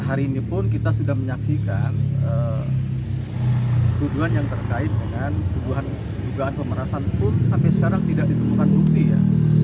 kami kita sudah menyaksikan tuduhan yang terkait dengan tuduhan jugaan pemerasan pun sampai sekarang tidak ditemukan bukti ya